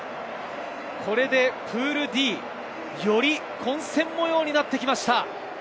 これでプールＤ、より混戦模様になってきました。